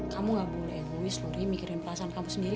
kamu gak boleh luis luri mikirin perasaan kamu sendiri